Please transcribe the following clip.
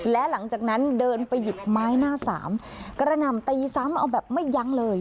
และหลังจากนั้นเดินไปหยิบไม้หน้าสามกระหน่ำตีซ้ำเอาแบบไม่ยั้งเลย